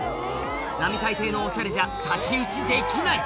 並大抵のオシャレじゃ太刀打ちできない！